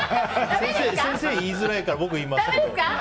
先生言いづらいから僕が言いますけど。